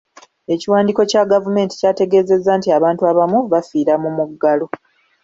Ekiwandiiko kya gavumenti kyategeezezza nti abantu abamu bafiira mu muggalo.